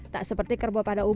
tak seperti kerbau pada umumnya